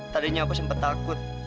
tadinya aku sempet takut